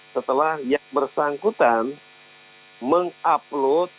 setelah yang bersangkutan mengupload